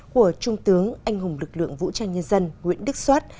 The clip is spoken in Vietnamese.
của trung tướng anh hùng lực lượng vũ trang nhân dân nguyễn đức soát